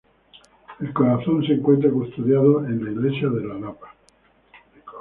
El corazón se encuentra custodiado en "la Iglesia de Lapa".